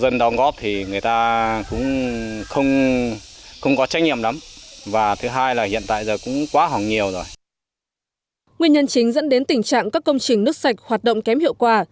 nguyên nhân chính dẫn đến tình trạng các công trình nước sạch hoạt động kém hiệu quả